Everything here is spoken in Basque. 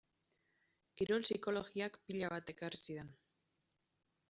Kirol psikologiak pila bat ekarri zidan.